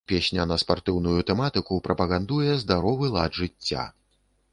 Песня на спартыўную тэматыку, прапагандуе здаровы лад жыцця.